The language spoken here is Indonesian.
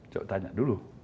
coba tanya dulu